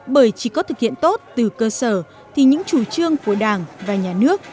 bởi chỉ có thực hiện tốt từ cơ sở thì những chủ trương của đảng và nhà nước